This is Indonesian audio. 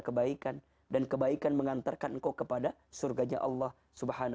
kebaikan dan kebaikan mengantarkan engkau kepada surganya allah subhanahu wa ta'ala